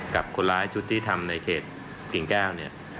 กับคนร้ายชุดที่ทำในเขตกิ่งแก้วเนี่ย